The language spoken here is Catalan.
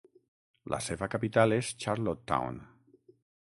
La seva capital és Charlottetown.